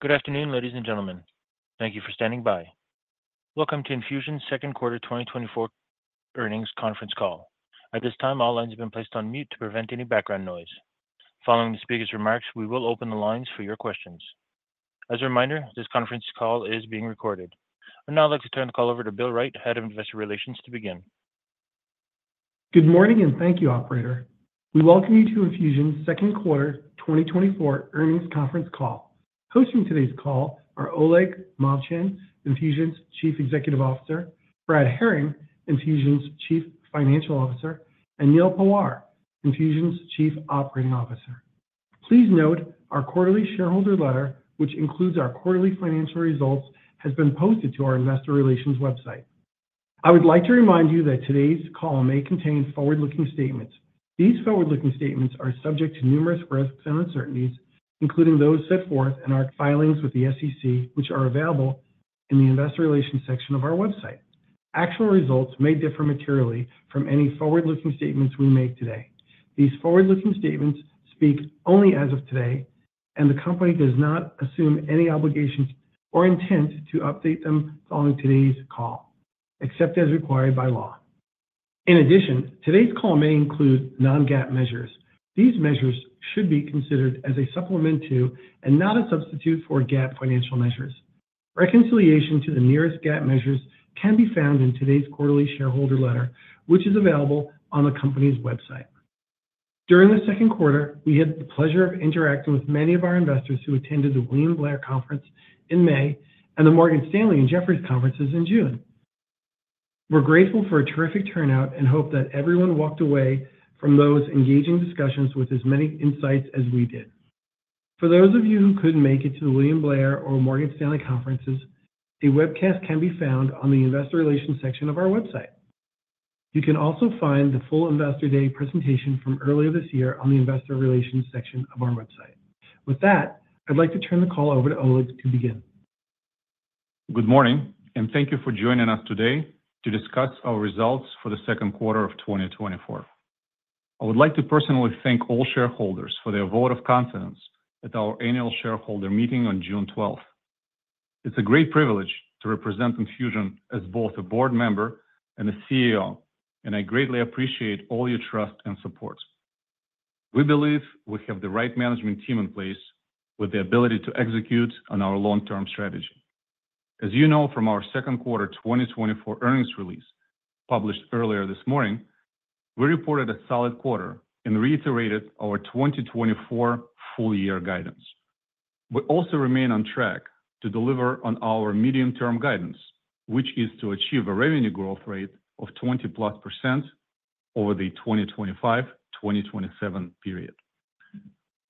Good afternoon, ladies and gentlemen. Thank you for standing by. Welcome to Enfusion's Second Quarter 2024 Earnings Conference Call. At this time, all lines have been placed on mute to prevent any background noise. Following the speaker's remarks, we will open the lines for your questions. As a reminder, this conference call is being recorded. I'd now like to turn the call over to Bill Wright, Head of Investor Relations, to begin. Good morning, and thank you, operator. We welcome you to Enfusion's Second Quarter 2024 Earnings Conference Call. Hosting today's call are Oleg Movchan, Enfusion's Chief Executive Officer; Brad Herring, Enfusion's Chief Financial Officer; and Neal Pawar, Enfusion's Chief Operating Officer. Please note, our quarterly shareholder letter, which includes our quarterly financial results, has been posted to our investor relations website. I would like to remind you that today's call may contain forward-looking statements. These forward-looking statements are subject to numerous risks and uncertainties, including those set forth in our filings with the SEC, which are available in the investor relations section of our website. Actual results may differ materially from any forward-looking statements we make today. These forward-looking statements speak only as of today, and the company does not assume any obligations or intent to update them following today's call, except as required by law. In addition, today's call may include non-GAAP measures. These measures should be considered as a supplement to, and not a substitute for, GAAP financial measures. Reconciliation to the nearest GAAP measures can be found in today's quarterly shareholder letter, which is available on the company's website. During the second quarter, we had the pleasure of interacting with many of our investors who attended the William Blair Conference in May and the Morgan Stanley and Jefferies conferences in June. We're grateful for a terrific turnout and hope that everyone walked away from those engaging discussions with as many insights as we did. For those of you who couldn't make it to the William Blair or Morgan Stanley conferences, a webcast can be found on the investor relations section of our website. You can also find the full Investor Day presentation from earlier this year on the investor relations section of our website. With that, I'd like to turn the call over to Oleg to begin. Good morning, and thank you for joining us today to discuss our results for the second quarter of 2024. I would like to personally thank all shareholders for their vote of confidence at our annual shareholder meeting on June twelfth. It's a great privilege to represent Enfusion as both a board member and a CEO, and I greatly appreciate all your trust and support. We believe we have the right management team in place with the ability to execute on our long-term strategy. As you know from our second quarter 2024 earnings release, published earlier this morning, we reported a solid quarter and reiterated our 2024 full year guidance. We also remain on track to deliver on our medium-term guidance, which is to achieve a revenue growth rate of 20+% over the 2025-2027 period.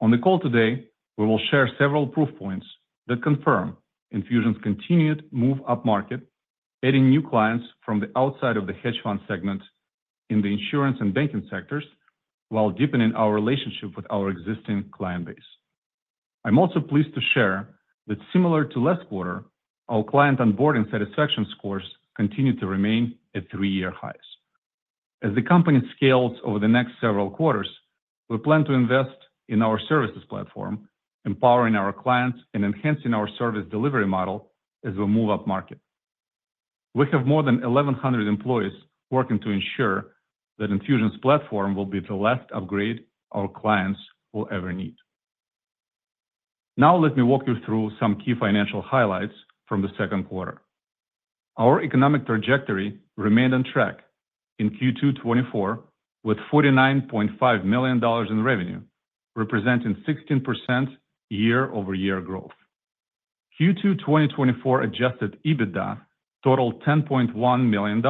On the call today, we will share several proof points that confirm Enfusion's continued move upmarket, adding new clients from the outside of the hedge fund segment in the insurance and banking sectors, while deepening our relationship with our existing client base. I'm also pleased to share that similar to last quarter, our client onboarding satisfaction scores continue to remain at three-year highs. As the company scales over the next several quarters, we plan to invest in our services platform, empowering our clients and enhancing our service delivery model as we move upmarket. We have more than 1,100 employees working to ensure that Enfusion's platform will be the last upgrade our clients will ever need. Now, let me walk you through some key financial highlights from the second quarter. Our economic trajectory remained on track in Q2 2024, with $49.5 million in revenue, representing 16% year-over-year growth. Q2 2024 Adjusted EBITDA totaled $10.1 million,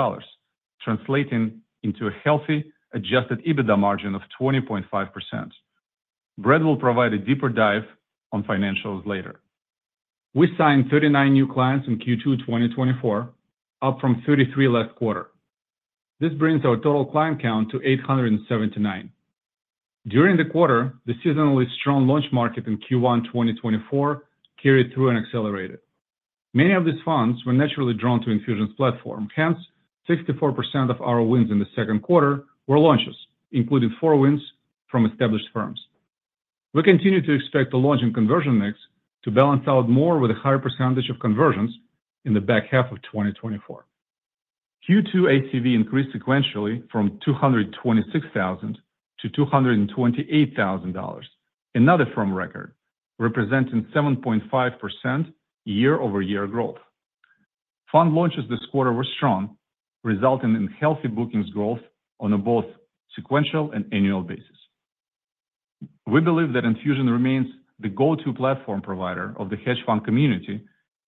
translating into a healthy Adjusted EBITDA margin of 20.5%. Brad will provide a deeper dive on financials later. We signed 39 new clients in Q2 2024, up from 33 last quarter. This brings our total client count to 879. During the quarter, the seasonally strong launch market in Q1 2024 carried through and accelerated. Many of these funds were naturally drawn to Enfusion's platform. Hence, 64% of our wins in the second quarter were launches, including 4 wins from established firms. We continue to expect the launch and conversion mix to balance out more with a higher percentage of conversions in the back half of 2024. Q2 ATV increased sequentially from 226,000-228,000, another firm record, representing 7.5% year-over-year growth. Fund launches this quarter were strong, resulting in healthy bookings growth on both sequential and annual basis. We believe that Enfusion remains the go-to platform provider of the hedge fund community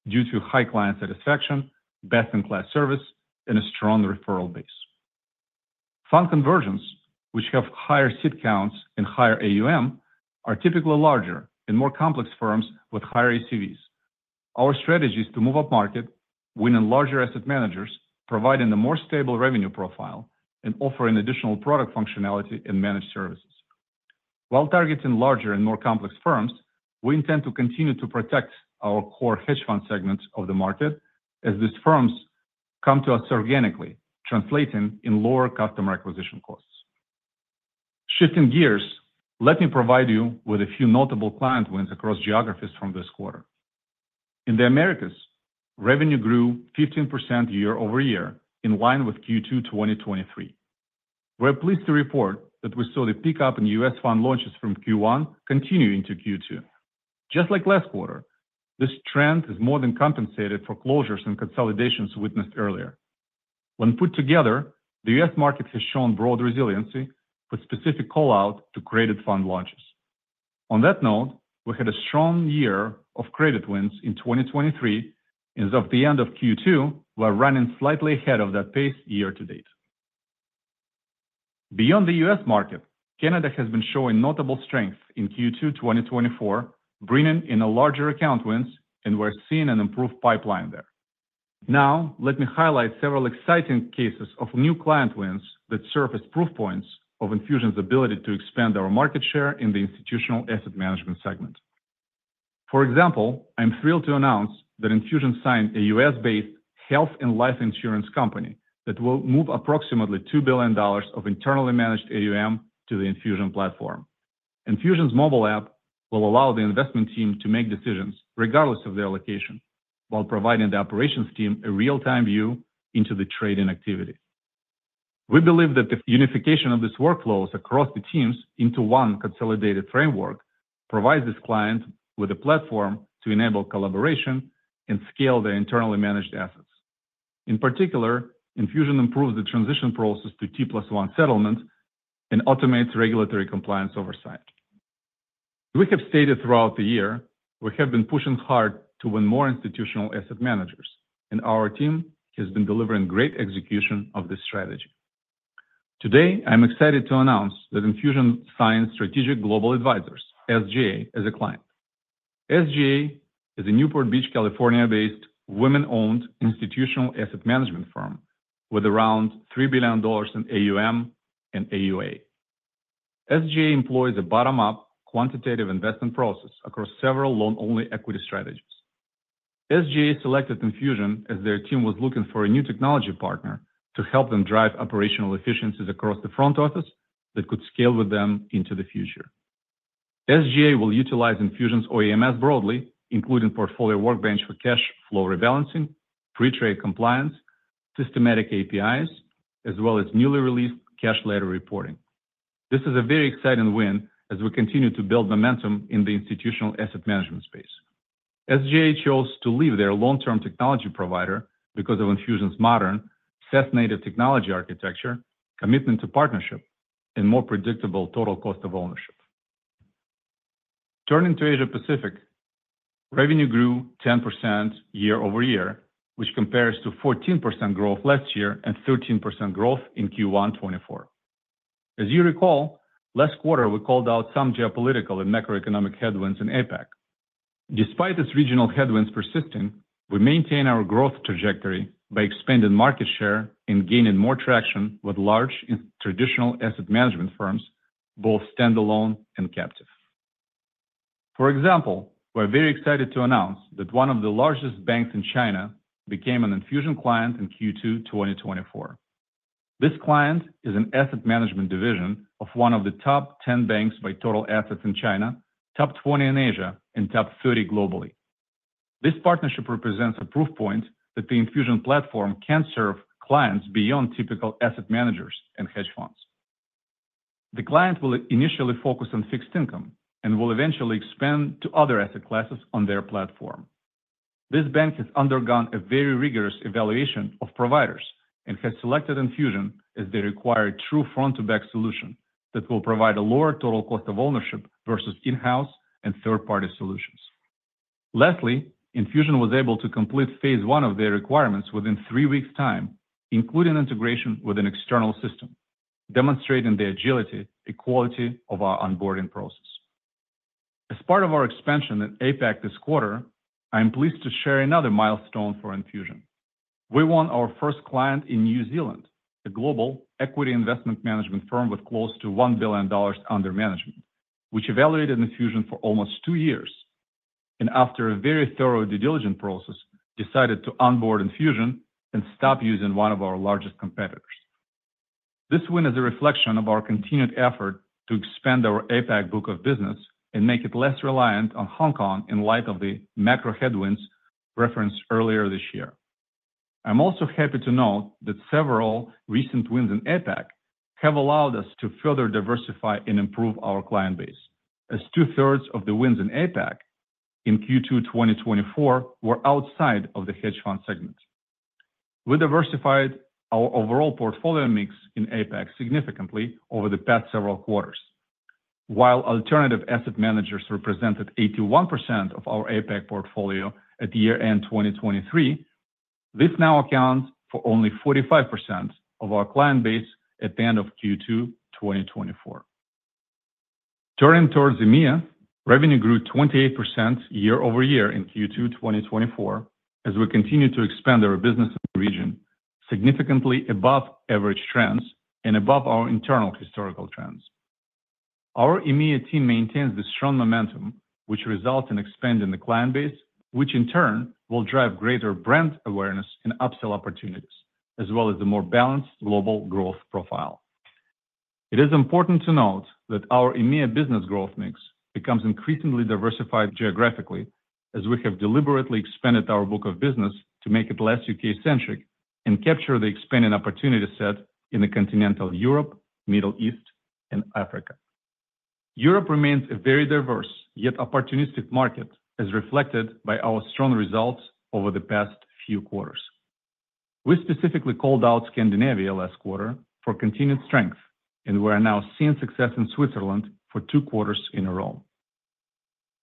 due to high client satisfaction, best-in-class service, and a strong referral base. Fund conversions, which have higher seat counts and higher AUM, are typically larger and more complex firms with higher ACVs. Our strategy is to move upmarket, winning larger asset managers, providing a more stable revenue profile, and offering additional product functionality and managed services. While targeting larger and more complex firms, we intend to continue to protect our core hedge fund segments of the market as these firms come to us organically, translating into lower customer acquisition costs.... Shifting gears, let me provide you with a few notable client wins across geographies from this quarter. In the Americas, revenue grew 15% year-over-year, in line with Q2 2023. We're pleased to report that we saw the pickup in U.S. fund launches from Q1 continuing to Q2. Just like last quarter, this trend has more than compensated for closures and consolidations witnessed earlier. When put together, the U.S. market has shown broad resiliency with specific call out to credit fund launches. On that note, we had a strong year of credit wins in 2023, and as of the end of Q2, we're running slightly ahead of that pace year-to-date. Beyond the U.S. market, Canada has been showing notable strength in Q2 2024, bringing in a larger account wins, and we're seeing an improved pipeline there. Now, let me highlight several exciting cases of new client wins that serve as proof points of Enfusion's ability to expand our market share in the institutional asset management segment. For example, I'm thrilled to announce that Enfusion signed a US-based health and life insurance company that will move approximately $2 billion of internally managed AUM to the Enfusion platform. Enfusion's mobile app will allow the investment team to make decisions regardless of their location, while providing the operations team a real-time view into the trading activity. We believe that the unification of these workflows across the teams into one consolidated framework provides this client with a platform to enable collaboration and scale their internally managed assets. In particular, Enfusion improves the transition process to T+1 settlement and automates regulatory compliance oversight. We have stated throughout the year, we have been pushing hard to win more institutional asset managers, and our team has been delivering great execution of this strategy. Today, I'm excited to announce that Enfusion signed Strategic Global Advisors, SGA, as a client. SGA is a Newport Beach, California-based, women-owned institutional asset management firm with around $3 billion in AUM and AUA. SGA employs a bottom-up quantitative investment process across several long-only equity strategies. SGA selected Enfusion as their team was looking for a new technology partner to help them drive operational efficiencies across the front office that could scale with them into the future. SGA will utilize Enfusion's OEMS broadly, including Portfolio Workbench for cash flow rebalancing, pre-trade compliance, systematic APIs, as well as newly released Cash Ladder reporting. This is a very exciting win as we continue to build momentum in the institutional asset management space. SGA chose to leave their long-term technology provider because of Enfusion's modern, SaaS-native technology architecture, commitment to partnership, and more predictable total cost of ownership. Turning to Asia Pacific, revenue grew 10% year-over-year, which compares to 14% growth last year and 13% growth in Q1 2024. As you recall, last quarter, we called out some geopolitical and macroeconomic headwinds in APAC. Despite these regional headwinds persisting, we maintain our growth trajectory by expanding market share and gaining more traction with large non-traditional asset management firms, both standalone and captive. For example, we're very excited to announce that one of the largest banks in China became an Enfusion client in Q2 2024. This client is an asset management division of one of the top 10 banks by total assets in China, top 20 in Asia, and top 30 globally. This partnership represents a proof point that the Enfusion platform can serve clients beyond typical asset managers and hedge funds. The client will initially focus on fixed income and will eventually expand to other asset classes on their platform. This bank has undergone a very rigorous evaluation of providers and has selected Enfusion as they require true front-to-back solution that will provide a lower total cost of ownership versus in-house and third-party solutions. Lastly, Enfusion was able to complete phase one of their requirements within three weeks time, including integration with an external system, demonstrating the agility and quality of our onboarding process. As part of our expansion in APAC this quarter, I am pleased to share another milestone for Enfusion. We won our first client in New Zealand, a global equity investment management firm with close to $1 billion under management, which evaluated Enfusion for almost two years, and after a very thorough due diligence process, decided to onboard Enfusion and stop using one of our largest competitors. This win is a reflection of our continued effort to expand our APAC book of business and make it less reliant on Hong Kong in light of the macro headwinds referenced earlier this year. I'm also happy to note that several recent wins in APAC have allowed us to further diversify and improve our client base, as two-thirds of the wins in APAC in Q2 2024 were outside of the hedge fund segment. We diversified our overall portfolio mix in APAC significantly over the past several quarters. While alternative asset managers represented 81% of our APAC portfolio at the year-end 2023, this now accounts for only 45% of our client base at the end of Q2 2024. Turning towards EMEA, revenue grew 28% year-over-year in Q2 2024, as we continue to expand our business in the region, significantly above average trends and above our internal historical trends. Our EMEA team maintains the strong momentum, which results in expanding the client base, which in turn will drive greater brand awareness and upsell opportunities, as well as a more balanced global growth profile. It is important to note that our EMEA business growth mix becomes increasingly diversified geographically, as we have deliberately expanded our book of business to make it less UK-centric and capture the expanding opportunity set in the Continental Europe, Middle East, and Africa. Europe remains a very diverse, yet opportunistic market, as reflected by our strong results over the past few quarters. We specifically called out Scandinavia last quarter for continued strength, and we are now seeing success in Switzerland for two quarters in a row.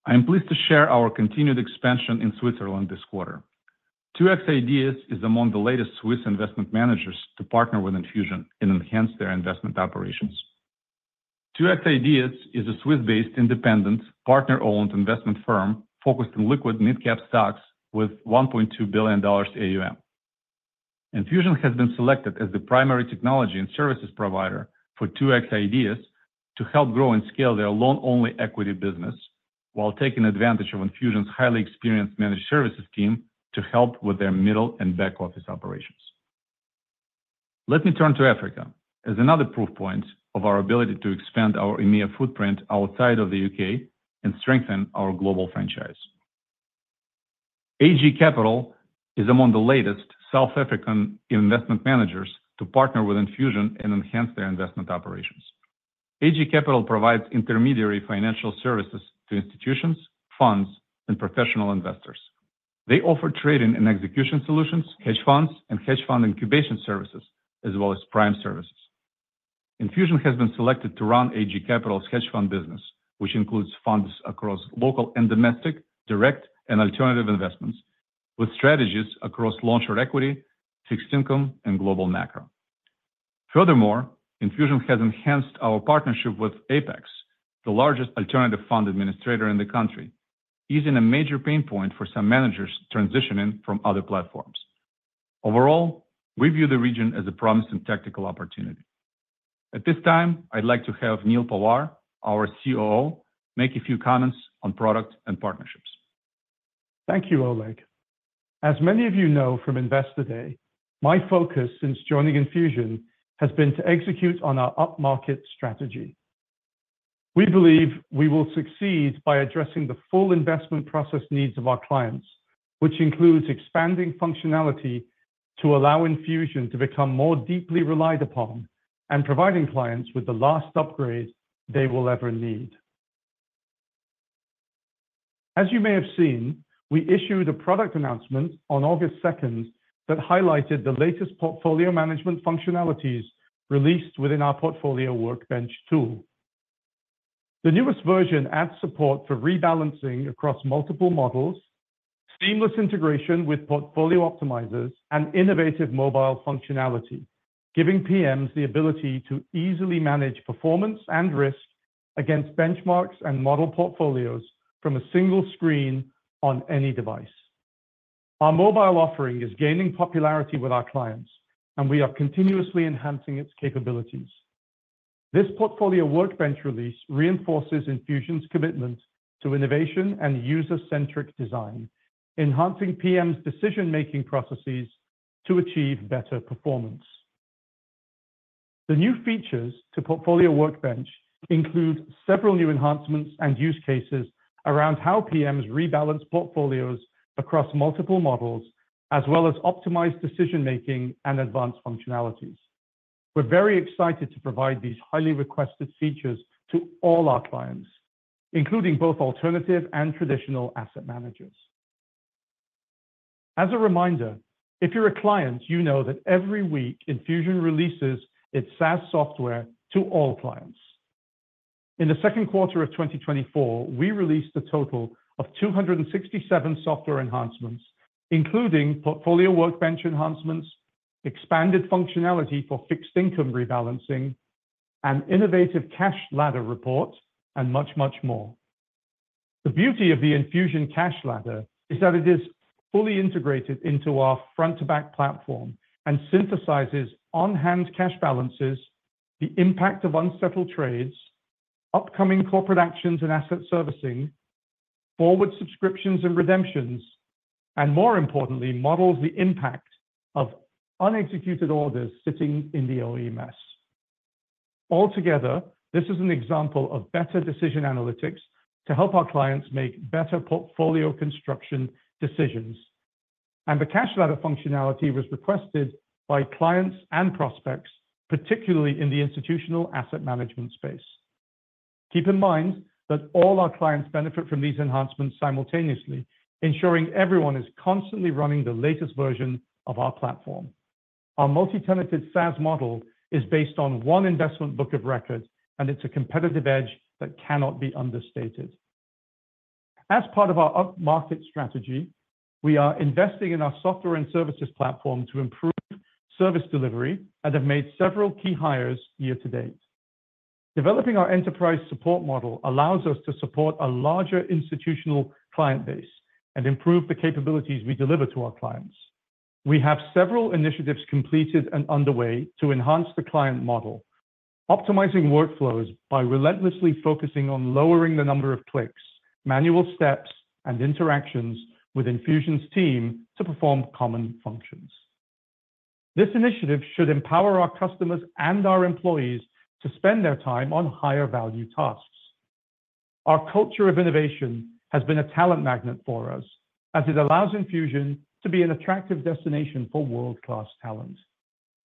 I am pleased to share our continued expansion in Switzerland this quarter. 2Xideas is among the latest Swiss investment managers to partner with Enfusion and enhance their investment operations. 2Xideas is a Swiss-based, independent, partner-owned investment firm focused on liquid mid-cap stocks with $1.2 billion AUM. Enfusion has been selected as the primary technology and services provider for 2Xideas to help grow and scale their long-only equity business, while taking advantage of Enfusion's highly experienced managed services team to help with their middle and back-office operations. Let me turn to Africa as another proof point of our ability to expand our EMEA footprint outside of the UK and strengthen our global franchise. AG Capital is among the latest South African investment managers to partner with Enfusion and enhance their investment operations. AG Capital provides intermediary financial services to institutions, funds, and professional investors. They offer trading and execution solutions, hedge funds, and hedge fund incubation services, as well as prime services. Enfusion has been selected to run AG Capital's hedge fund business, which includes funds across local and domestic, direct and alternative investments, with strategies across long-term equity, fixed income, and global macro. Furthermore, Enfusion has enhanced our partnership with Apex, the largest alternative fund administrator in the country, easing a major pain point for some managers transitioning from other platforms. Overall, we view the region as a promising tactical opportunity. At this time, I'd like to have Neal Pawar, our COO, make a few comments on product and partnerships. Thank you, Oleg. As many of you know from Investor Day, my focus since joining Enfusion has been to execute on our upmarket strategy. We believe we will succeed by addressing the full investment process needs of our clients, which includes expanding functionality to allow Enfusion to become more deeply relied upon and providing clients with the last upgrade they will ever need. As you may have seen, we issued a product announcement on August second that highlighted the latest portfolio management functionalities released within our Portfolio Workbench tool. The newest version adds support for rebalancing across multiple models, seamless integration with portfolio optimizers, and innovative mobile functionality, giving PMs the ability to easily manage performance and risk against benchmarks and model portfolios from a single screen on any device. Our mobile offering is gaining popularity with our clients, and we are continuously enhancing its capabilities. This Portfolio Workbench release reinforces Enfusion's commitment to innovation and user-centric design, enhancing PM's decision-making processes to achieve better performance. The new features to Portfolio Workbench include several new enhancements and use cases around how PMs rebalance portfolios across multiple models, as well as optimize decision-making and advanced functionalities. We're very excited to provide these highly requested features to all our clients, including both alternative and traditional asset managers. As a reminder, if you're a client, you know that every week, Enfusion releases its SaaS software to all clients. In the second quarter of 2024, we released a total of 267 software enhancements, including Portfolio Workbench enhancements, expanded functionality for fixed income rebalancing, and innovative Cash Ladder reports, and much, much more. The beauty of the Enfusion Cash Ladder is that it is fully integrated into our front-to-back platform and synthesizes on-hand cash balances, the impact of unsettled trades, upcoming corporate actions and asset servicing, forward subscriptions and redemptions, and more importantly, models the impact of unexecuted orders sitting in the OMS. Altogether, this is an example of better decision analytics to help our clients make better portfolio construction decisions, and the Cash Ladder functionality was requested by clients and prospects, particularly in the institutional asset management space. Keep in mind that all our clients benefit from these enhancements simultaneously, ensuring everyone is constantly running the latest version of our platform. Our multi-tenanted SaaS model is based on one investment book of records, and it's a competitive edge that cannot be understated. As part of our upmarket strategy, we are investing in our software and services platform to improve service delivery and have made several key hires year to date. Developing our enterprise support model allows us to support a larger institutional client base and improve the capabilities we deliver to our clients. We have several initiatives completed and underway to enhance the client model, optimizing workflows by relentlessly focusing on lowering the number of clicks, manual steps, and interactions with Enfusion's team to perform common functions. This initiative should empower our customers and our employees to spend their time on higher value tasks. Our culture of innovation has been a talent magnet for us, as it allows Enfusion to be an attractive destination for world-class talent.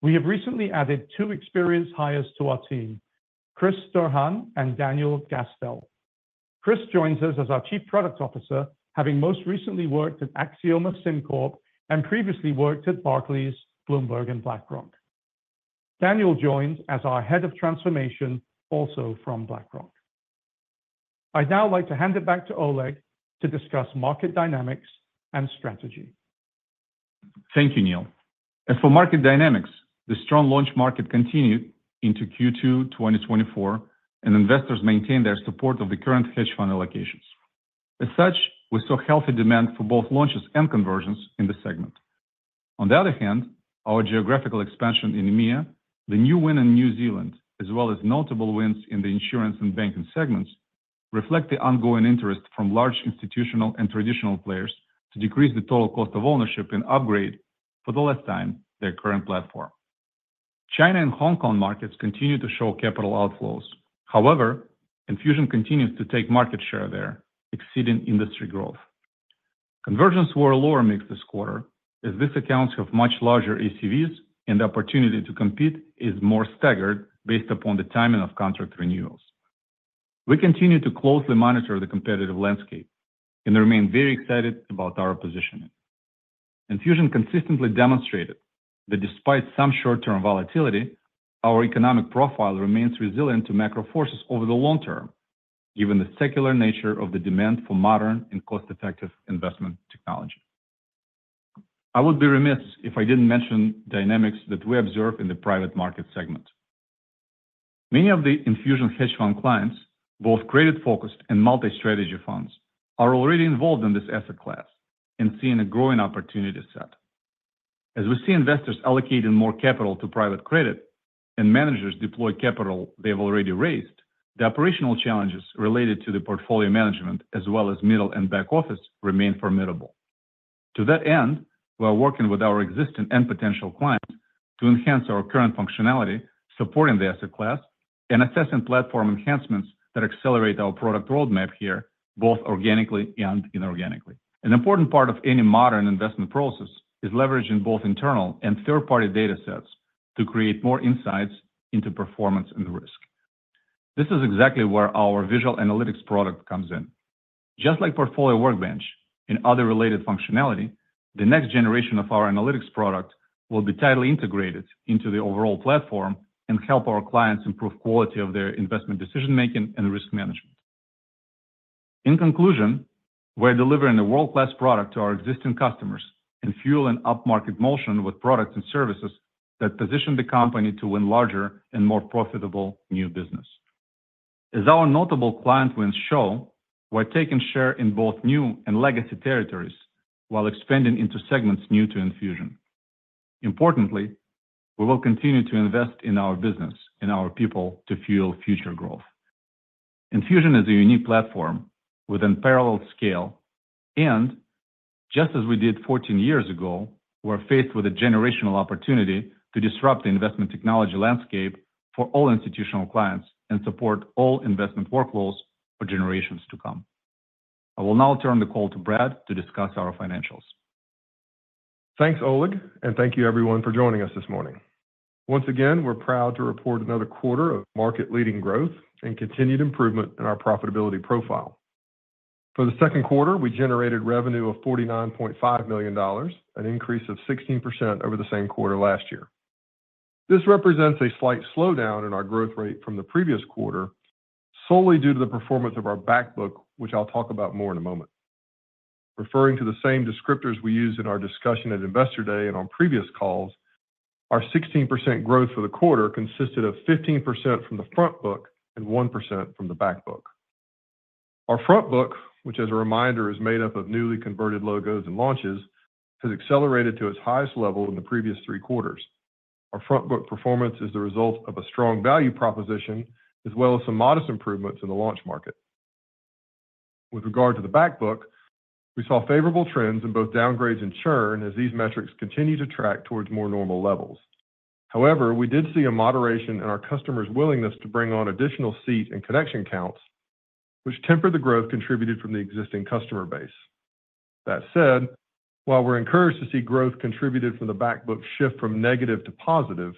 We have recently added two experienced hires to our team, Chris Durham and Daniel Gastel. Chris joins us as our Chief Product Officer, having most recently worked at Axioma, SimCorp, and previously worked at Barclays, Bloomberg, and BlackRock. Daniel joins as our Head of Transformation, also from BlackRock. I'd now like to hand it back to Oleg to discuss market dynamics and strategy. Thank you, Neal. As for market dynamics, the strong launch market continued into Q2 2024, and investors maintained their support of the current hedge fund allocations. As such, we saw healthy demand for both launches and conversions in the segment. On the other hand, our geographical expansion in EMEA, the new win in New Zealand, as well as notable wins in the insurance and banking segments, reflect the ongoing interest from large institutional and traditional players to decrease the total cost of ownership and upgrade for the last time their current platform. China and Hong Kong markets continue to show capital outflows. However, Enfusion continues to take market share there, exceeding industry growth. Conversions were lower mix this quarter, as this accounts for much larger ACVs, and the opportunity to compete is more staggered based upon the timing of contract renewals. We continue to closely monitor the competitive landscape and remain very excited about our positioning. Enfusion consistently demonstrated that despite some short-term volatility, our economic profile remains resilient to macro forces over the long term, given the secular nature of the demand for modern and cost-effective investment technology. I would be remiss if I didn't mention dynamics that we observe in the private market segment. Many of the Enfusion hedge fund clients, both credit-focused and multi-strategy funds, are already involved in this asset class and seeing a growing opportunity set. As we see investors allocating more capital to private credit and managers deploy capital they've already raised, the operational challenges related to the portfolio management, as well as middle and back office, remain formidable. To that end, we are working with our existing and potential clients to enhance our current functionality, supporting the asset class, and assessing platform enhancements that accelerate our product roadmap here, both organically and inorganically. An important part of any modern investment process is leveraging both internal and third-party datasets to create more insights into performance and risk. This is exactly where our Visual Analytics product comes in. Just like Portfolio Workbench and other related functionality, the next generation of our analytics product will be tightly integrated into the overall platform and help our clients improve quality of their investment decision-making and risk management. In conclusion, we're delivering a world-class product to our existing customers and fueling upmarket motion with products and services that position the company to win larger and more profitable new business. As our notable client wins show, we're taking share in both new and legacy territories while expanding into segments new to Enfusion. Importantly, we will continue to invest in our business and our people to fuel future growth. Enfusion is a unique platform with unparalleled scale, and just as we did 14 years ago, we're faced with a generational opportunity to disrupt the investment technology landscape for all institutional clients and support all investment workflows for generations to come. I will now turn the call to Brad to discuss our financials. Thanks, Oleg, and thank you everyone for joining us this morning. Once again, we're proud to report another quarter of market-leading growth and continued improvement in our profitability profile. For the second quarter, we generated revenue of $49.5 million, an increase of 16% over the same quarter last year. This represents a slight slowdown in our growth rate from the previous quarter, solely due to the performance of our Back Book, which I'll talk about more in a moment. Referring to the same descriptors we used in our discussion at Investor Day and on previous calls, our 16% growth for the quarter consisted of 15% from the front book and 1% from the Back Book. Our front book, which as a reminder, is made up of newly converted logos and launches, has accelerated to its highest level in the previous three quarters. Our front book performance is the result of a strong value proposition, as well as some modest improvements in the launch market. With regard to the Back Book, we saw favorable trends in both downgrades and churn, as these metrics continue to track towards more normal levels. However, we did see a moderation in our customers' willingness to bring on additional seats and connection counts, which tempered the growth contributed from the existing customer base. That said, while we're encouraged to see growth contributed from the Back Book shift from negative to positive,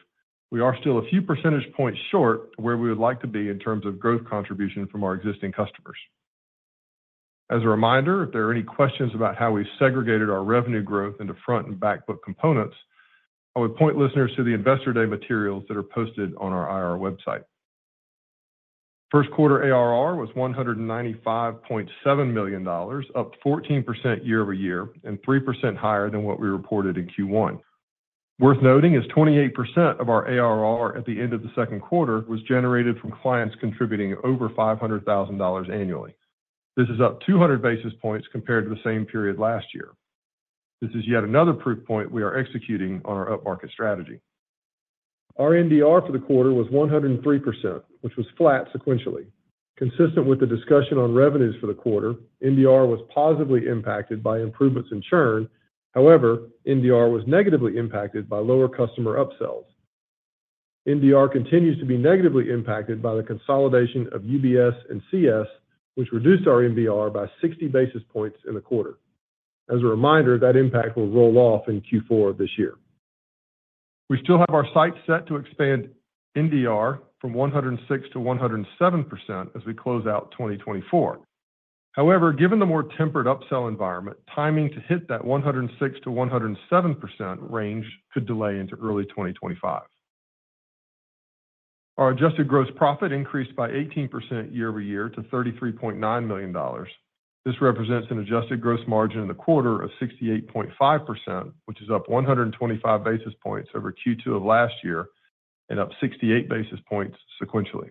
we are still a few percentage points short to where we would like to be in terms of growth contribution from our existing customers. As a reminder, if there are any questions about how we segregated our revenue growth into front and Back Book components, I would point listeners to the Investor Day materials that are posted on our IR website. First quarter ARR was $195.7 million, up 14% year-over-year and 3% higher than what we reported in Q1. Worth noting is 28% of our ARR at the end of the second quarter was generated from clients contributing over $500,000 annually. This is up 200 basis points compared to the same period last year. This is yet another proof point we are executing on our upmarket strategy. Our NDR for the quarter was 103%, which was flat sequentially. Consistent with the discussion on revenues for the quarter, NDR was positively impacted by improvements in churn. However, NDR was negatively impacted by lower customer upsells. NDR continues to be negatively impacted by the consolidation of UBS and CS, which reduced our NDR by 60 basis points in the quarter. As a reminder, that impact will roll off in Q4 this year. We still have our sights set to expand NDR from 106%-107% as we close out 2024. However, given the more tempered upsell environment, timing to hit that 106%-107% range could delay into early 2025. Our adjusted gross profit increased by 18% year over year to $33.9 million. This represents an adjusted gross margin in the quarter of 68.5%, which is up 125 basis points over Q2 of last year and up 68 basis points sequentially.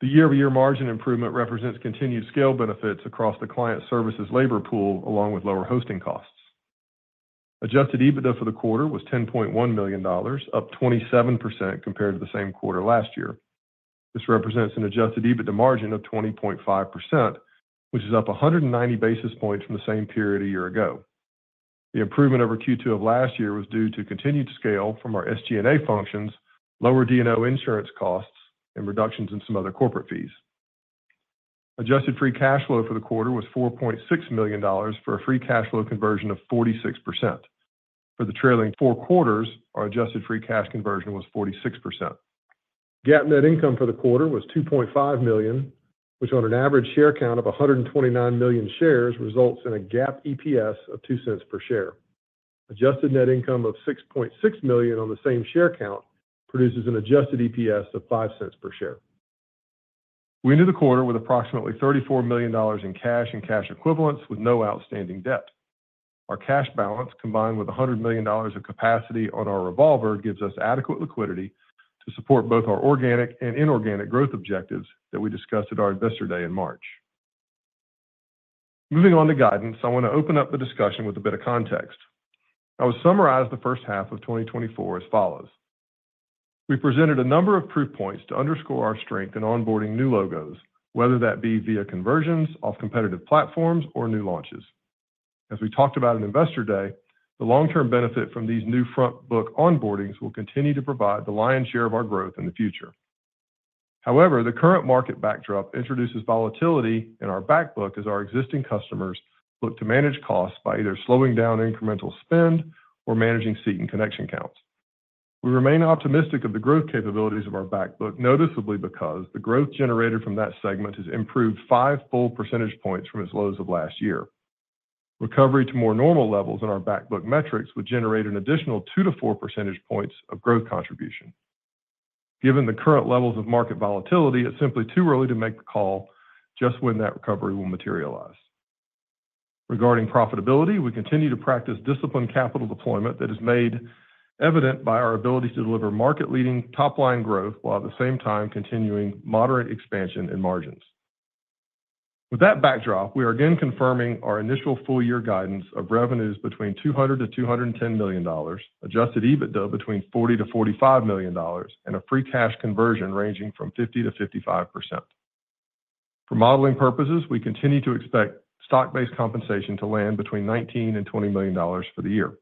The year-over-year margin improvement represents continued scale benefits across the client services labor pool, along with lower hosting costs. Adjusted EBITDA for the quarter was $10.1 million, up 27% compared to the same quarter last year. This represents an adjusted EBITDA margin of 20.5%, which is up 190 basis points from the same period a year ago. The improvement over Q2 of last year was due to continued scale from our SG&A functions, lower D&O insurance costs, and reductions in some other corporate fees. Adjusted free cash flow for the quarter was $4.6 million, for a free cash flow conversion of 46%. For the trailing four quarters, our adjusted free cash conversion was 46%. GAAP net income for the quarter was $2.5 million, which on an average share count of 129 million shares, results in a GAAP EPS of $0.02 per share. Adjusted net income of $6.6 million on the same share count produces an adjusted EPS of $0.05 per share. We ended the quarter with approximately $34 million in cash and cash equivalents, with no outstanding debt. Our cash balance, combined with $100 million of capacity on our revolver, gives us adequate liquidity to support both our organic and inorganic growth objectives that we discussed at our Investor Day in March. Moving on to guidance, I want to open up the discussion with a bit of context. I would summarize the first half of 2024 as follows: We presented a number of proof points to underscore our strength in onboarding new logos, whether that be via conversions off competitive platforms or new launches. As we talked about in Investor Day, the long-term benefit from these new front book onboardings will continue to provide the lion's share of our growth in the future. However, the current market backdrop introduces volatility in our Back Book as our existing customers look to manage costs by either slowing down incremental spend or managing seat and connection counts. We remain optimistic of the growth capabilities of our Back Book, noticeably because the growth generated from that segment has improved five full percentage points from as low as of last year. Recovery to more normal levels in our Back Book metrics would generate an additional 2-4 percentage points of growth contribution. Given the current levels of market volatility, it's simply too early to make the call just when that recovery will materialize. Regarding profitability, we continue to practice disciplined capital deployment that is made evident by our ability to deliver market-leading top-line growth, while at the same time continuing moderate expansion in margins. With that backdrop, we are again confirming our initial full year guidance of revenues between $200 million-$210 million, Adjusted EBITDA between $40 million-$45 million, and a free cash conversion ranging from 50%-55%. For modeling purposes, we continue to expect stock-based compensation to land between $19 million-$20 million for the year.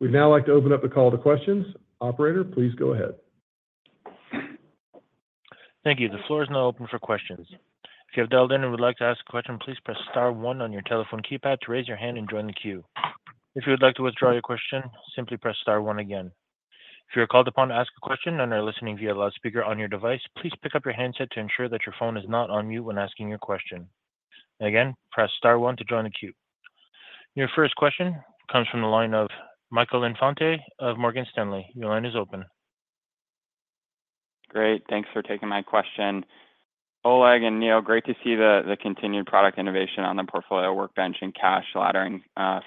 We'd now like to open up the call to questions. Operator, please go ahead. Thank you. The floor is now open for questions. If you have dialed in and would like to ask a question, please press star one on your telephone keypad to raise your hand and join the queue. If you would like to withdraw your question, simply press star one again. If you are called upon to ask a question and are listening via loudspeaker on your device, please pick up your handset to ensure that your phone is not on mute when asking your question. Again, press star one to join the queue. Your first question comes from the line of Michael Infante of Morgan Stanley. Your line is open. Great. Thanks for taking my question. Oleg and Neal, great to see the continued product innovation on the portfolio workbench and cash laddering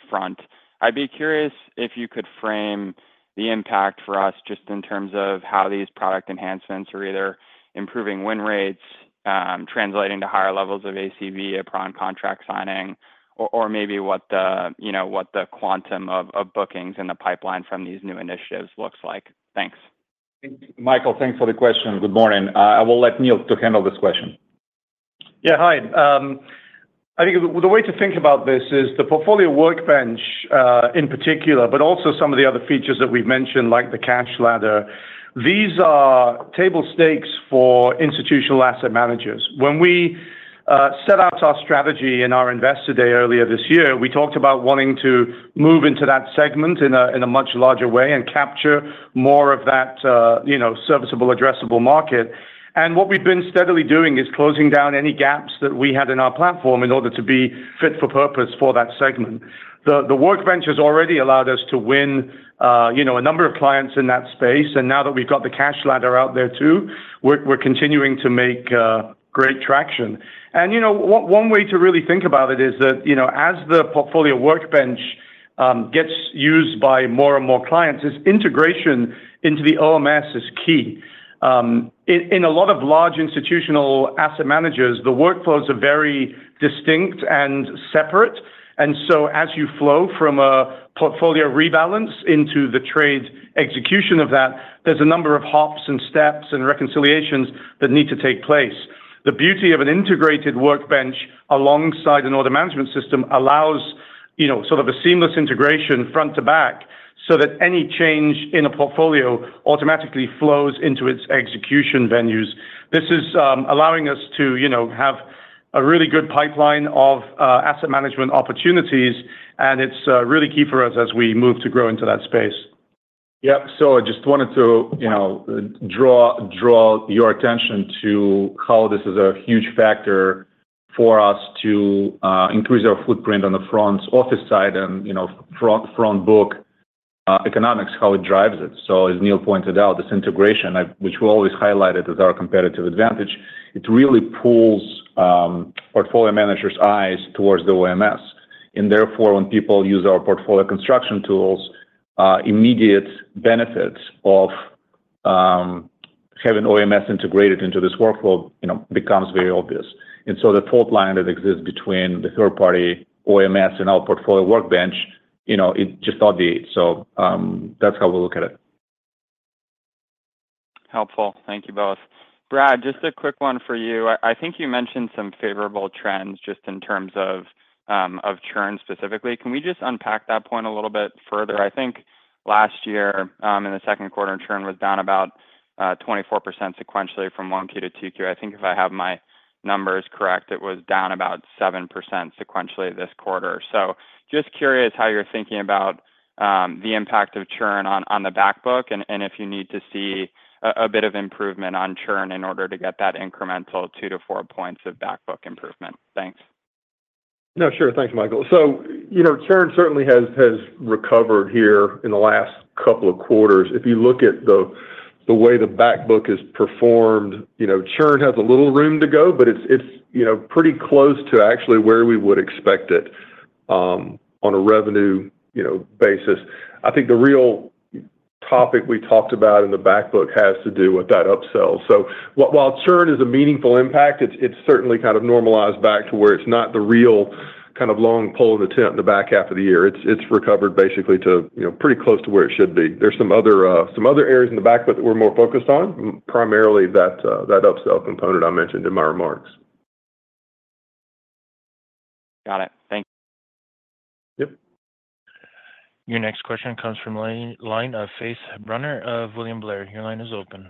front. I'd be curious if you could frame the impact for us, just in terms of how these product enhancements are either improving win rates, translating to higher levels of ACV upon contract signing, or maybe what the, you know, what the quantum of bookings in the pipeline from these new initiatives looks like. Thanks. Thank you, Michael. Thanks for the question. Good morning. I will let Neal to handle this question. Yeah, hi. I think the way to think about this is the Portfolio Workbench, in particular, but also some of the other features that we've mentioned, like the Cash Ladder. These are table stakes for institutional asset managers. When we set out our strategy in our Investor Day earlier this year, we talked about wanting to move into that segment in a much larger way and capture more of that, you know, serviceable addressable market. And what we've been steadily doing is closing down any gaps that we had in our platform in order to be fit for purpose for that segment. The Workbench has already allowed us to win, you know, a number of clients in that space, and now that we've got the Cash Ladder out there too, we're continuing to make great traction. You know, one way to really think about it is that, you know, as the Portfolio Workbench gets used by more and more clients, integration into the OMS is key. In a lot of large institutional asset managers, the workflows are very distinct and separate. So as you flow from a portfolio rebalance into the trade execution of that, there's a number of hops and steps and reconciliations that need to take place. The beauty of an integrated workbench alongside an order management system allows, you know, sort of a seamless integration front-to-back, so that any change in a portfolio automatically flows into its execution venues. This is allowing us to, you know, have a really good pipeline of asset management opportunities, and it's really key for us as we move to grow into that space. Yep. So I just wanted to, you know, draw your attention to how this is a huge factor for us to increase our footprint on the front office side and, you know, front book economics, how it drives it. So as Neal pointed out, this integration, which we always highlighted as our competitive advantage, it really pulls portfolio managers' eyes towards the OMS. And therefore, when people use our portfolio construction tools, immediate benefits of having OMS integrated into this workflow, you know, becomes very obvious. And so the fault line that exists between the third-party OMS and our portfolio workbench, you know, it just updates. So, that's how we look at it. Helpful. Thank you both. Brad, just a quick one for you. I think you mentioned some favorable trends just in terms of of churn specifically. Can we just unpack that point a little bit further? I think last year in the second quarter, churn was down about 24% sequentially from 1Q-2Q. I think if I have my numbers correct, it was down about 7% sequentially this quarter. So just curious how you're thinking about the impact of churn on the Back Book, and if you need to see a bit of improvement on churn in order to get that incremental 2-4 points of Back Book improvement. Thanks. No, sure. Thanks, Michael. So, you know, churn certainly has recovered here in the last couple of quarters. If you look at the way the Back Book has performed, you know, churn has a little room to go, but it's, you know, pretty close to actually where we would expect it on a revenue, you know, basis. I think the real topic we talked about in the Back Book has to do with that upsell. So while churn is a meaningful impact, it's certainly kind of normalized back to where it's not the real kind of long pull of the tent in the back half of the year. It's recovered basically to, you know, pretty close to where it should be. There's some other, some other areas in the Back Book that we're more focused on, primarily that upsell component I mentioned in my remarks. Got it. Thank you. Yep. Your next question comes from line of Faith Brunner of William Blair. Your line is open.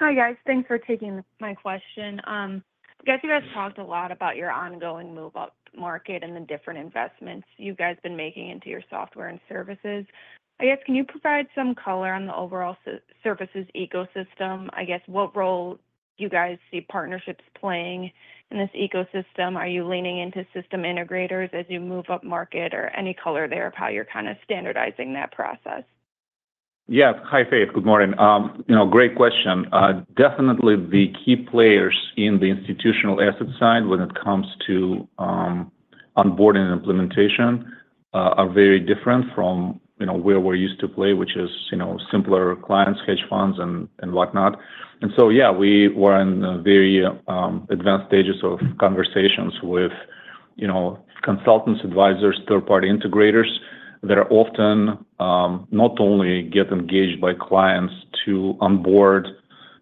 Hi, guys. Thanks for taking my question. I guess you guys talked a lot about your ongoing move-up market and the different investments you guys been making into your software and services. I guess, can you provide some color on the overall services ecosystem? I guess, what role do you guys see partnerships playing in this ecosystem? Are you leaning into system integrators as you move up market or any color there of how you're kind of standardizing that process? Yeah. Hi, Faith. Good morning. You know, great question. Definitely the key players in the institutional asset side when it comes to onboarding and implementation are very different from, you know, where we're used to play, which is, you know, simpler clients, hedge funds and, and whatnot. And so, yeah, we were in very advanced stages of conversations with, you know, consultants, advisors, third-party integrators that are often not only get engaged by clients to onboard,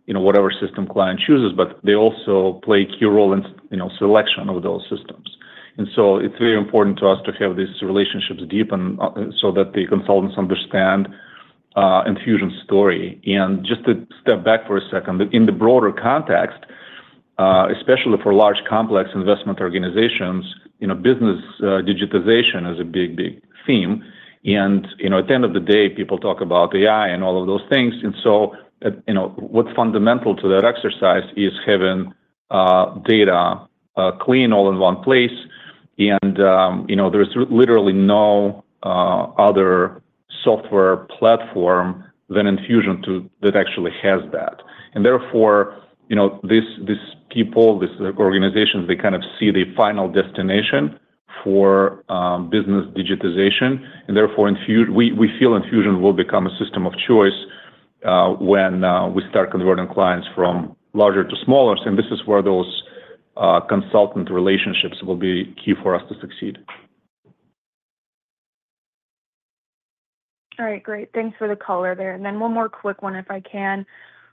you know, whatever system client chooses, but they also play a key role in, you know, selection of those systems. And so it's very important to us to have these relationships deepen so that the consultants understand Enfusion's story. And just to step back for a second, but in the broader context, especially for large complex investment organizations, you know, business digitization is a big, big theme. And, you know, at the end of the day, people talk about AI and all of those things. And so, you know, what's fundamental to that exercise is having data clean, all in one place. And, you know, there is literally no other software platform than Enfusion that actually has that. And therefore, you know, these, these people, these organizations, they kind of see the final destination for business digitization, and therefore, Enfusion we, we feel Enfusion will become a system of choice, when we start converting clients from larger to smaller. And this is where those consultant relationships will be key for us to succeed. All right, great. Thanks for the color there. And then one more quick one, if I can.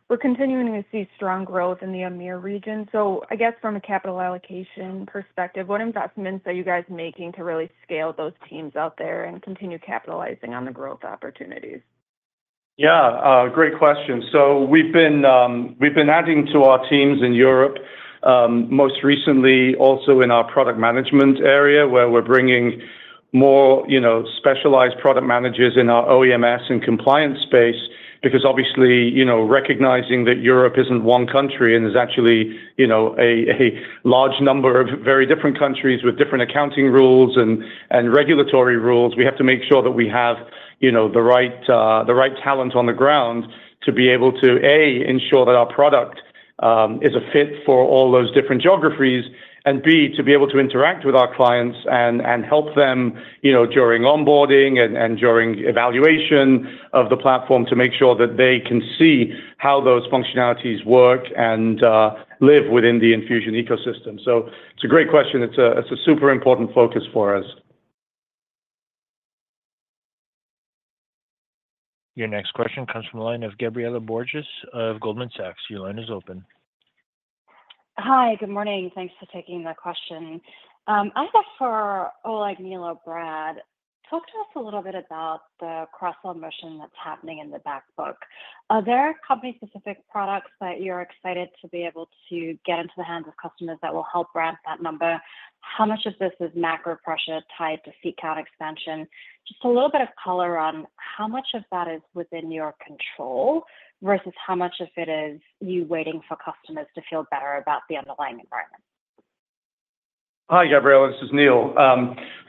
We're continuing to see strong growth in the EMEA region. So I guess from a capital allocation perspective, what investments are you guys making to really scale those teams out there and continue capitalizing on the growth opportunities? Yeah, great question. So we've been adding to our teams in Europe, most recently, also in our product management area, where we're bringing more, you know, specialized product managers in our OMS and compliance space, because obviously, you know, recognizing that Europe isn't one country and is actually, you know, a large number of very different countries with different accounting rules and regulatory rules, we have to make sure that we have, you know, the right talent on the ground to be able to, A, ensure that our product-... is a fit for all those different geographies, and B, to be able to interact with our clients and help them, you know, during onboarding and during evaluation of the platform, to make sure that they can see how those functionalities work and live within the Enfusion ecosystem. So it's a great question. It's a super important focus for us. Your next question comes from the line of Gabriela Borges of Goldman Sachs. Your line is open. Hi, good morning. Thanks for taking the question. I have for, Oleg, Neal, or Brad, talk to us a little bit about the cross-sell mission that's happening in the Back Book. Are there company-specific products that you're excited to be able to get into the hands of customers that will help ramp that number? How much of this is macro pressure tied to seat count expansion? Just a little bit of color on how much of that is within your control, versus how much of it is you waiting for customers to feel better about the underlying environment. Hi, Gabriela, this is Neal.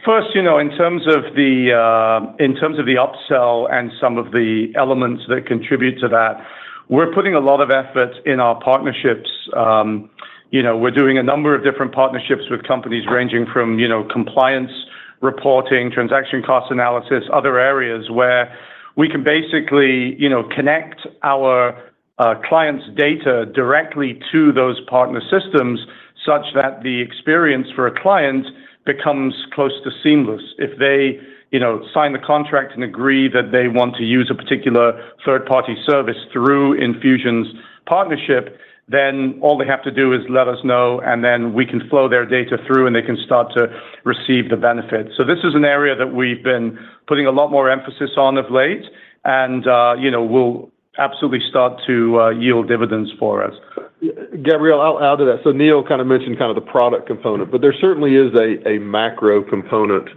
First, you know, in terms of the, in terms of the upsell and some of the elements that contribute to that, we're putting a lot of effort in our partnerships. You know, we're doing a number of different partnerships with companies ranging from, you know, compliance, reporting, transaction cost analysis, other areas where we can basically, you know, connect our, clients' data directly to those partner systems, such that the experience for a client becomes close to seamless. If they, you know, sign the contract and agree that they want to use a particular third-party service through Enfusion's partnership, then all they have to do is let us know, and then we can flow their data through, and they can start to receive the benefits. So this is an area that we've been putting a lot more emphasis on of late, and, you know, will absolutely start to yield dividends for us. Gabriela, I'll add to that. So Neal kind of mentioned kind of the product component, but there certainly is a macro component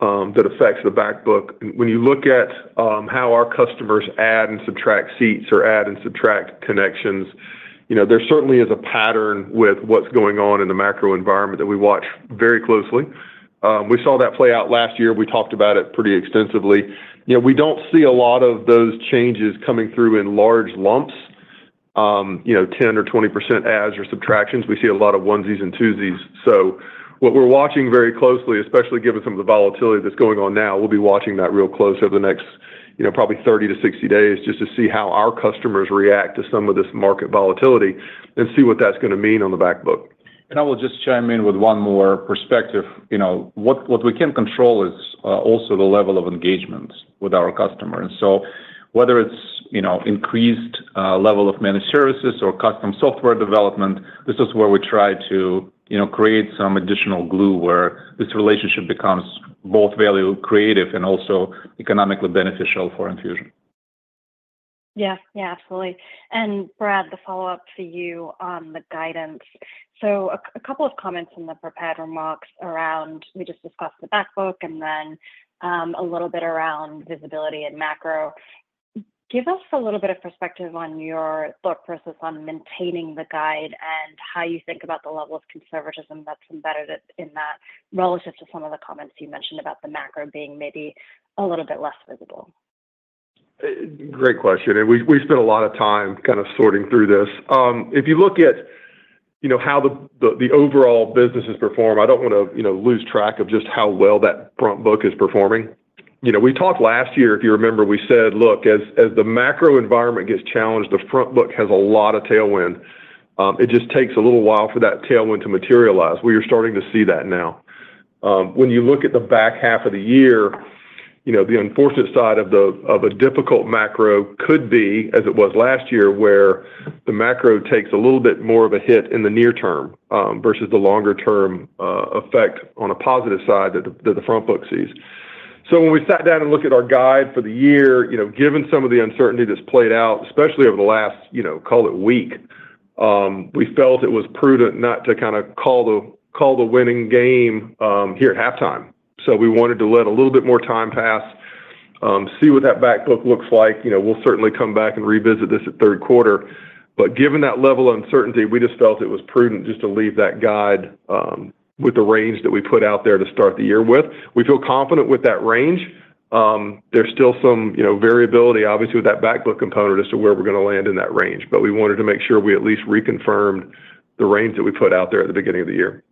that affects the Back Book. When you look at how our customers add and subtract seats or add and subtract connections, you know, there certainly is a pattern with what's going on in the macro environment that we watch very closely. We saw that play out last year. We talked about it pretty extensively. You know, we don't see a lot of those changes coming through in large lumps, you know, 10 or 20% adds or subtractions. We see a lot of onesies and twosies. What we're watching very closely, especially given some of the volatility that's going on now, we'll be watching that real close over the next, you know, probably 30-60 days, just to see how our customers react to some of this market volatility, and see what that's going to mean on the Back Book. And I will just chime in with one more perspective. You know, what we can control is also the level of engagement with our customers. So whether it's, you know, increased level of managed services or custom software development, this is where we try to, you know, create some additional glue, where this relationship becomes both very creative and also economically beneficial for Enfusion. Yeah. Yeah, absolutely. Brad, the follow-up to you on the guidance. So a couple of comments in the prepared remarks around... We just discussed the Back Book and then, a little bit around visibility and macro. Give us a little bit of perspective on your thought process on maintaining the guide, and how you think about the level of conservatism that's embedded it in that, relative to some of the comments you mentioned about the macro being maybe a little bit less visible. Great question, and we spent a lot of time kind of sorting through this. If you look at, you know, how the overall business has performed, I don't want to, you know, lose track of just how well that front book is performing. You know, we talked last year, if you remember, we said, "Look, as the macro environment gets challenged, the front book has a lot of tailwind. It just takes a little while for that tailwind to materialize." We are starting to see that now. When you look at the back half of the year, you know, the unfortunate side of a difficult macro could be, as it was last year, where the macro takes a little bit more of a hit in the near term, versus the longer-term effect on a positive side that the front book sees. So when we sat down and looked at our guide for the year, you know, given some of the uncertainty that's played out, especially over the last, you know, call it week, we felt it was prudent not to kind of call the winning game here at halftime. So we wanted to let a little bit more time pass, see what that Back Book looks like. You know, we'll certainly come back and revisit this at third quarter, but given that level of uncertainty, we just felt it was prudent just to leave that guide, with the range that we put out there to start the year with. We feel confident with that range. There's still some, you know, variability, obviously, with that Back Book component as to where we're going to land in that range, but we wanted to make sure we at least reconfirmed the range that we put out there at the beginning of the year.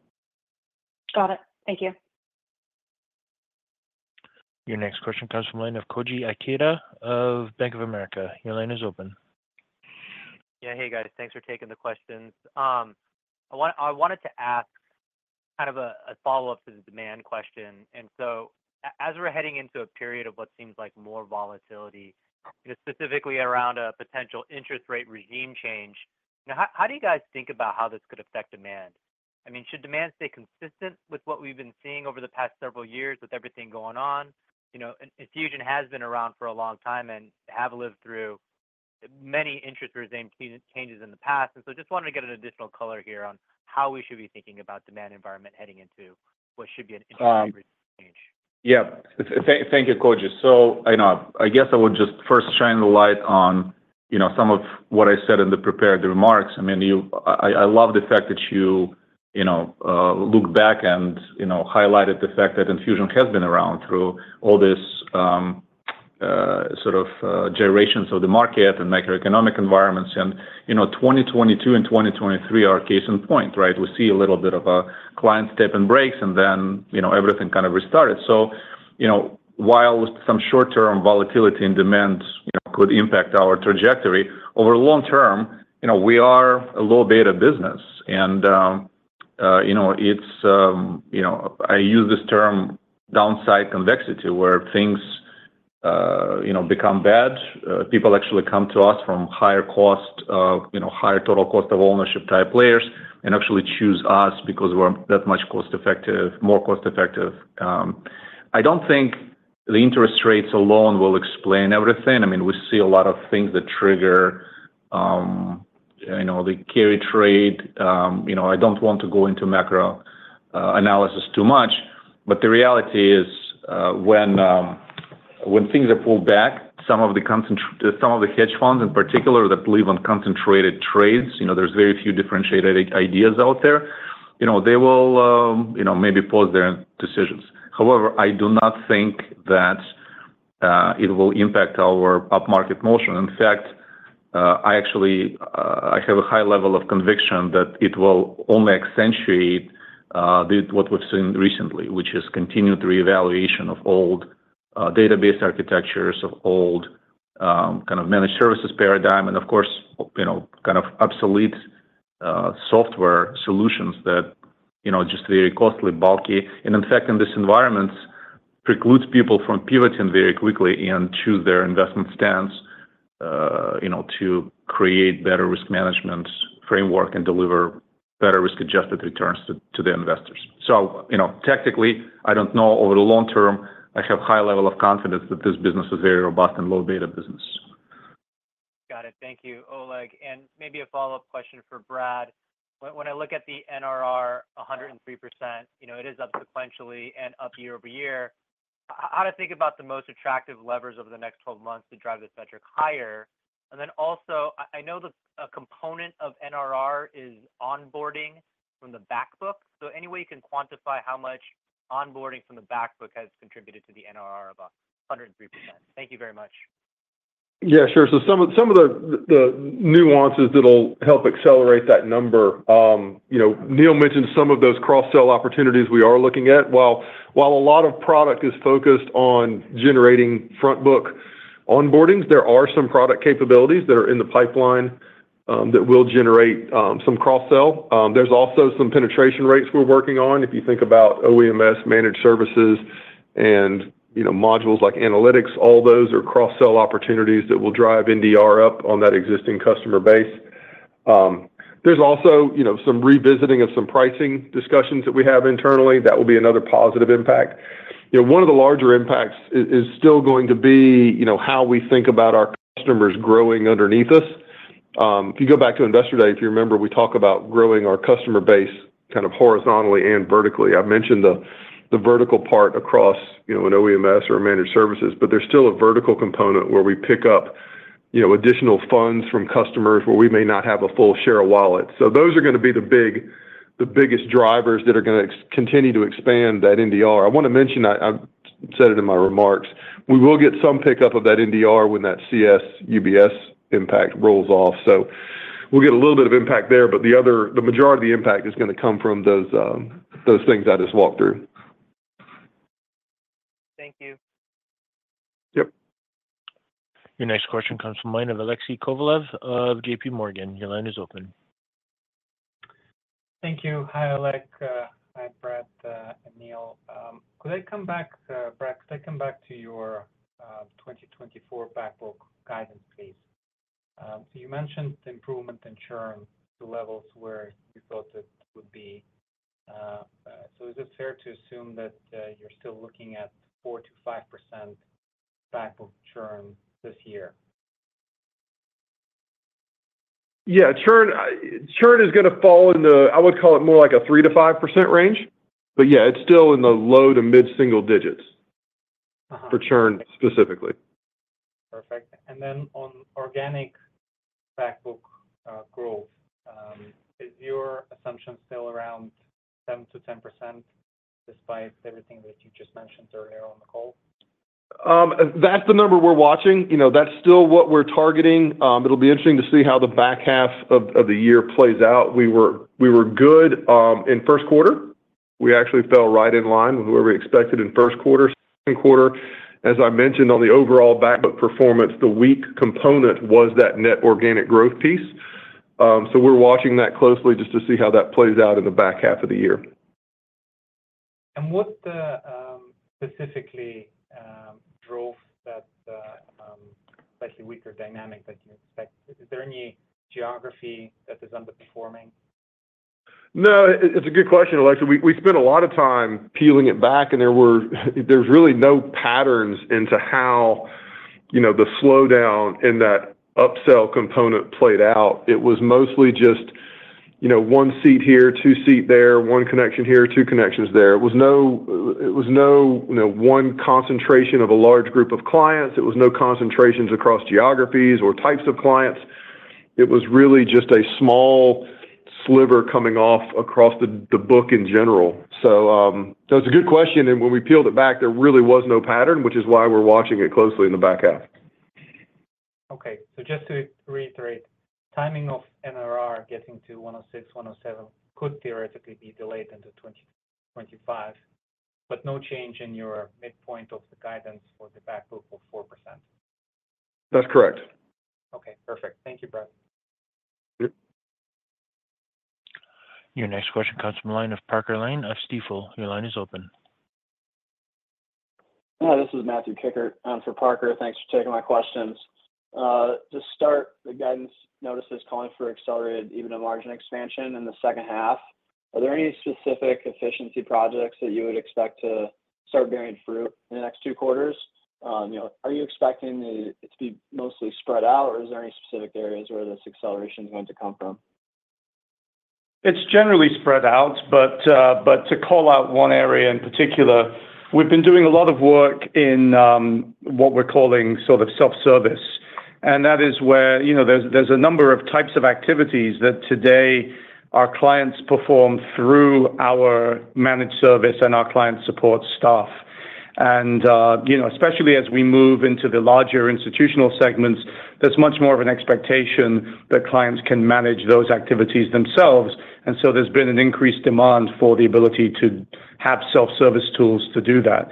Got it. Thank you. Your next question comes from the line of Koji Ikeda of Bank of America. Your line is open. Yeah. Hey, guys. Thanks for taking the questions. I wanted to ask kind of a follow-up to the demand question, and so as we're heading into a period of what seems like more volatility, you know, specifically around a potential interest rate regime change, now, how do you guys think about how this could affect demand? I mean, should demand stay consistent with what we've been seeing over the past several years with everything going on? You know, Enfusion has been around for a long time and have lived through many interest regime changes in the past. And so just wanted to get an additional color here on how we should be thinking about demand environment heading into what should be an interest rate change. Thank you, Koji. So I know, I guess I would just first shine the light on, you know, some of what I said in the prepared remarks. I mean, I love the fact that you, you know, look back and, you know, highlighted the fact that Enfusion has been around through all this, sort of, generations of the market and macroeconomic environments, and, you know, 2022 and 2023 are case in point, right? We see a little bit of a client step and breaks, and then, you know, everything kind of restarted. So, you know, while some short-term volatility in demand, you know, could impact our trajectory, over long term, you know, we are a low beta business. You know, it's, you know, I use this term downside convexity, where things, you know, become bad, people actually come to us from higher cost, you know, higher total cost of ownership type players, and actually choose us because we're that much cost effective, more cost effective. I don't think the interest rates alone will explain everything. I mean, we see a lot of things that trigger, you know, the carry trade. You know, I don't want to go into macro analysis too much, but the reality is, when, when things are pulled back, some of the hedge funds in particular, that believe on concentrated trades, you know, there's very few differentiated ideas out there. You know, they will, you know, maybe pause their decisions. However, I do not think that it will impact our upmarket motion. In fact, I actually have a high level of conviction that it will only accentuate what we've seen recently, which is continued reevaluation of old database architectures, of old kind of managed services paradigm, and of course, you know, kind of obsolete software solutions that, you know, just very costly, bulky. And in fact, in this environment, precludes people from pivoting very quickly into their investment stance, you know, to create better risk management framework and deliver better risk-adjusted returns to the investors. So, you know, technically, I don't know, over the long term, I have high level of confidence that this business is very robust and low beta business. Got it. Thank you, Oleg. And maybe a follow-up question for Brad. When I look at the NRR 103%, you know, it is up sequentially and up year over year. How to think about the most attractive levers over the next 12 months to drive this metric higher? And then also, I know the... a component of NRR is onboarding from the Back Book, so any way you can quantify how much onboarding from the Back Book has contributed to the NRR of 103%? Thank you very much. Yeah, sure. So some of the nuances that'll help accelerate that number, you know, Neal mentioned some of those cross-sell opportunities we are looking at. While a lot of product is focused on generating Front Book onboardings, there are some product capabilities that are in the pipeline that will generate some cross-sell. There's also some penetration rates we're working on. If you think about OEMS, Managed Services, and, you know, modules like analytics, all those are cross-sell opportunities that will drive NDR up on that existing customer base. There's also, you know, some revisiting of some pricing discussions that we have internally. That will be another positive impact. You know, one of the larger impacts is still going to be, you know, how we think about our customers growing underneath us. If you go back to Investor Day, if you remember, we talk about growing our customer base kind of horizontally and vertically. I've mentioned the vertical part across, you know, an OEMS or managed services, but there's still a vertical component where we pick up, you know, additional funds from customers where we may not have a full share of wallet. So those are gonna be the biggest drivers that are gonna continue to expand that NDR. I want to mention, I said it in my remarks, we will get some pickup of that NDR when that CS UBS impact rolls off. So we'll get a little bit of impact there, but the majority of the impact is gonna come from those things I just walked through. Thank you. Yep. Your next question comes from line of Alexei Gogalev of J.P. Morgan. Your line is open. Thank you. Hi, Oleg, hi, Brad, and Neal. Could I come back, Brad, to your 2024 Back Book guidance, please? So you mentioned the improvement in churn to levels where you thought it would be. So is it fair to assume that, you're still looking at 4%-5% Back Book churn this year? Yeah, churn, churn is gonna fall into, I would call it more like a 3%-5% range, but yeah, it's still in the low- to mid-single digits- Uh-huh... for churn, specifically. Perfect. And then on organic Back Book growth, is your assumption still around 7%-10%, despite everything that you just mentioned earlier on the call? That's the number we're watching. You know, that's still what we're targeting. It'll be interesting to see how the back half of the year plays out. We were good in first quarter. We actually fell right in line with where we expected in first quarter. Second quarter, as I mentioned on the overall Back Book performance, the weak component was that net organic growth piece. So we're watching that closely just to see how that plays out in the back half of the year. What specifically drove that slightly weaker dynamic that you expect? Is there any geography that is underperforming? No, it's a good question, Alexei. We spent a lot of time peeling it back, and there's really no patterns into how, you know, the slowdown in that upsell component played out. It was mostly just, you know, one seat here, two seats there, one connection here, two connections there. It was no, you know, one concentration of a large group of clients. It was no concentrations across geographies or types of clients. It was really just a small sliver coming off across the book in general. So, it's a good question, and when we peeled it back, there really was no pattern, which is why we're watching it closely in the back half. Okay. So just to reiterate, timing of NRR getting to 106, 107 could theoretically be delayed into 2025, but no change in your midpoint of the guidance for the Back Book of 4%? That's correct. Okay, perfect. Thank you, Brad. Your next question comes from the line of Parker Lane of Stifel. Your line is open. Hi, this is Matthew Kikkert, for Parker. Thanks for taking my questions. To start, the guidance notice is calling for accelerated, even a margin expansion in the second half. Are there any specific efficiency projects that you would expect to start bearing fruit in the next two quarters? You know, are you expecting it, it to be mostly spread out, or is there any specific areas where this acceleration is going to come from? It's generally spread out, but to call out one area in particular, we've been doing a lot of work in what we're calling sort of self-service. And that is where, you know, there's a number of types of activities that today our clients perform through our managed service and our client support staff. And you know, especially as we move into the larger institutional segments, there's much more of an expectation that clients can manage those activities themselves. And so there's been an increased demand for the ability to have self-service tools to do that.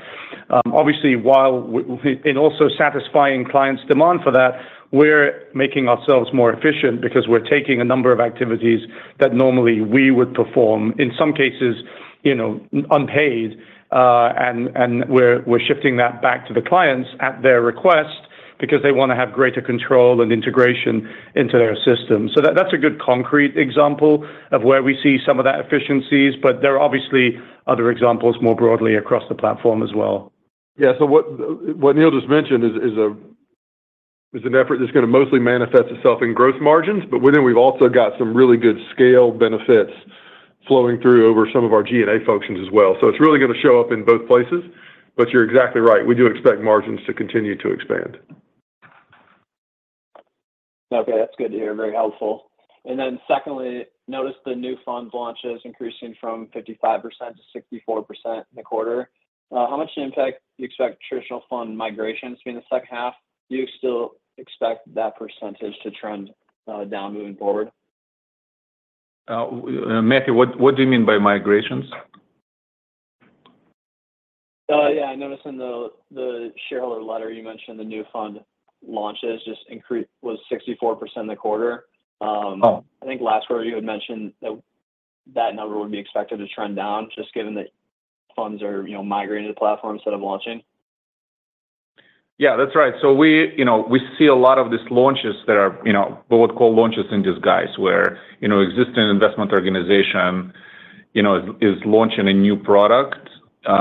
Obviously, while we're also satisfying clients' demand for that, we're making ourselves more efficient because we're taking a number of activities that normally we would perform, in some cases, you know, unpaid, and we're shifting that back to the clients at their request because they want to have greater control and integration into their system. So that's a good concrete example of where we see some of that efficiencies, but there are obviously other examples more broadly across the platform as well. Yeah, so what Neal just mentioned is an effort that's going to mostly manifest itself in gross margins, but within, we've also got some really good scale benefits flowing through over some of our G&A functions as well. So it's really going to show up in both places, but you're exactly right. We do expect margins to continue to expand. Okay, that's good to hear. Very helpful. And then secondly, notice the new fund launches increasing from 55% to 64% in the quarter. How much impact you expect traditional fund migrations in the second half? Do you still expect that percentage to trend down moving forward? Matthew, what, what do you mean by migrations? Yeah, I noticed in the shareholder letter, you mentioned the new fund launches just increase—was 64% in the quarter. Oh. I think last quarter, you had mentioned that that number would be expected to trend down, just given that funds are, you know, migrating to the platform instead of launching. Yeah, that's right. So we, you know, we see a lot of these launches that are, you know, what we call launches in disguise, where, you know, existing investment organization, you know, is launching a new product,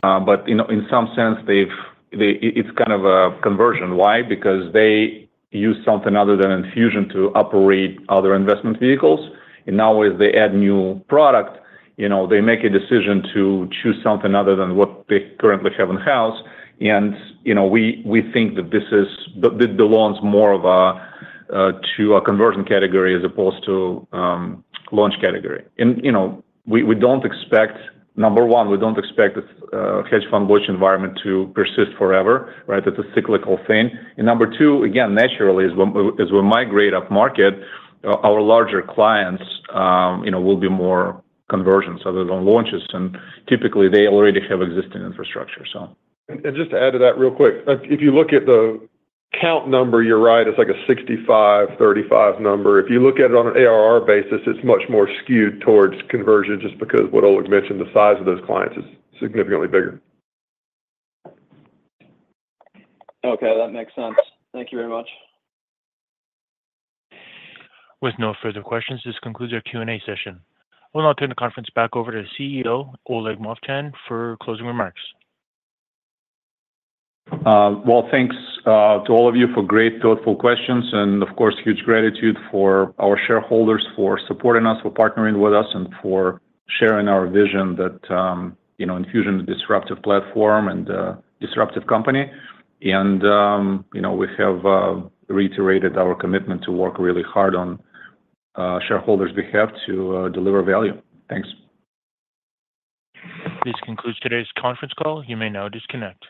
but in some sense, they... It's kind of a conversion. Why? Because they use something other than Enfusion to operate other investment vehicles, and now as they add new product, you know, they make a decision to choose something other than what they currently have in-house. And, you know, we think that this is the launch more of a to a conversion category as opposed to launch category. And, you know, we don't expect, number one, we don't expect this hedge fund launch environment to persist forever, right? That's a cyclical thing. Number two, again, naturally, as we migrate upmarket, our larger clients, you know, will be more conversion rather than launches, and typically, they already have existing infrastructure, so. And just to add to that real quick, if you look at the count number, you're right, it's like a 65, 35 number. If you look at it on an ARR basis, it's much more skewed towards conversion just because what Oleg mentioned, the size of those clients is significantly bigger. Okay, that makes sense. Thank you very much. With no further questions, this concludes our Q&A session. We'll now turn the conference back over to CEO, Oleg Movchan, for closing remarks. Well, thanks to all of you for great, thoughtful questions and, of course, huge gratitude for our shareholders for supporting us, for partnering with us, and for sharing our vision that, you know, Enfusion is a disruptive platform and a disruptive company. You know, we have reiterated our commitment to work really hard on shareholders' behalf to deliver value. Thanks. This concludes today's conference call. You may now disconnect.